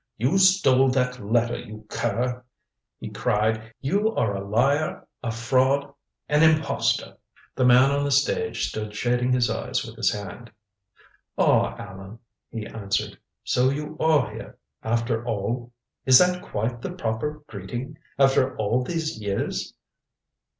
"You stole that letter, you cur," he cried. "You are a liar, a fraud, an impostor." The man on the stage stood shading his eyes with his hand. "Ah, Allan," he answered, "so you are here, after all? Is that quite the proper greeting after all these years?"